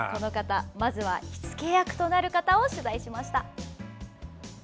まずは火付け役となる方を取材しました。